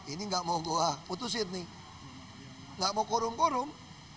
ini nggak mau goa putusin nih nggak mau kurung kurung